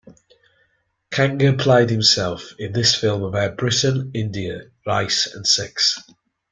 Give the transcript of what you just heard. Kanga played himself in this film about Britain, India, race and sex.